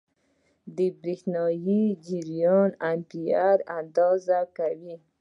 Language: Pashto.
برېښنايي جریان په امپیر اندازه کېږي.